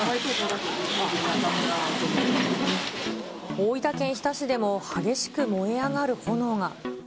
大分県日田市でも激しく燃え上がる炎が。